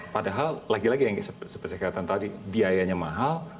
padahal lagi lagi seperti kata tadi biayanya mahal